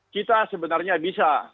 kita sebenarnya bisa